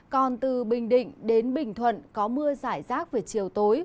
còn từ bình định đến bình thuận có mưa giải rác về chiều tối